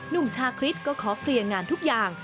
หนุ่มชาคริสก็ขอเคลียร์งานทุกอย่าง